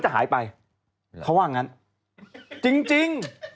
หายไปเขาว่างั้นจริงจริง